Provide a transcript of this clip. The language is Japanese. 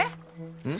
うん？